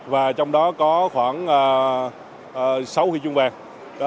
và trong đó có khoảng sáu huy chương bạc